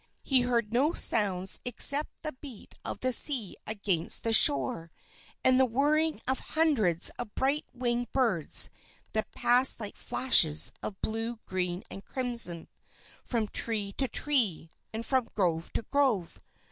He heard no sounds except the beat of the sea against the shore, and the whirring of hundreds of bright winged birds that passed like flashes of blue, green, and crimson, from tree to tree, and from grove to grove.